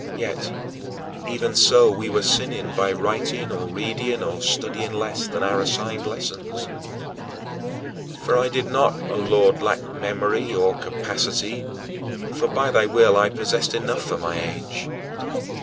Yet, even so, we were sinning by writing or reading or studying less than our assigned lessons. For I did not, O Lord, lack memory or capacity, for, by thy will, I possessed enough for my age.